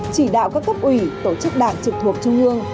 chỉ đạo các cấp ủy tổ chức đảng trực thuộc trung ương